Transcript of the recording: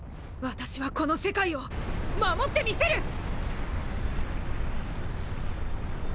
私はこの世界を守ってみせる！